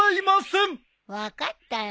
分かったよ。